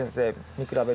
見比べて。